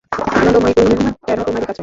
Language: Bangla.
আনন্দময়ী কহিলেন, কেন, তোমারই কাছে।